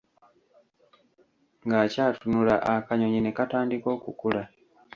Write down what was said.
Ng'akyatunula akanyonyi ne katandika okukula.